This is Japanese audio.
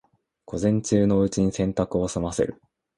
午前中のうちに洗濯を済ませる